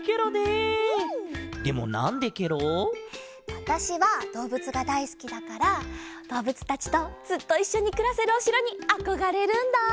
わたしはどうぶつがだいすきだからどうぶつたちとずっといっしょにくらせるおしろにあこがれるんだ！